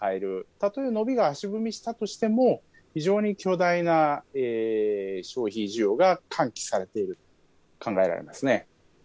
たとえ伸びが足踏みしたとしても、非常に巨大な消費需要が喚起されていると考えられますね。